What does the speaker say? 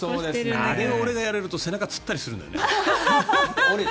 あれを俺がやられると背中つったりするんだよね。